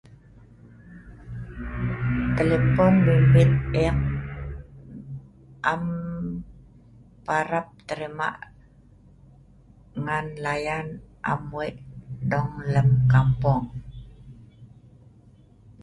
Telepon bimbit ek am parab terima ngan layan am wei dong lem kampong